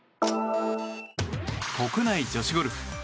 国内女子ゴルフ。